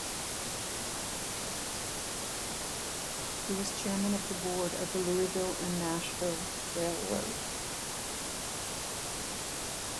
He was chairman of the board of the Louisville and Nashville Railroad.